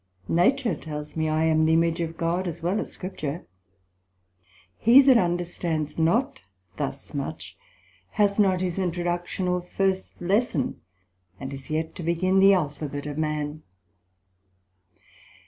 Nature tells me I am the Image of God, as well as Scripture: he that understands not thus much, hath not his introduction or first lesson, and is yet to begin the Alphabet of man.